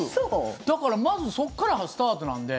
だからまずそこからがスタートなんで。